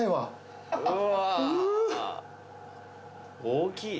大きい。